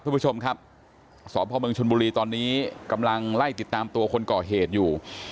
คุณผู้ชมครับสพเมืองชนบุรีตอนนี้กำลังไล่ติดตามตัวคนก่อเหตุอยู่